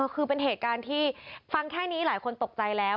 คือเป็นเหตุการณ์ที่ฟังแค่นี้หลายคนตกใจแล้ว